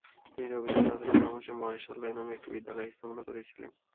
তিনি রবীন্দ্রনাথের পরামর্শে 'মহেশালয়' নামের একটি বিদ্যালয় স্থাপনা করেছিলেন।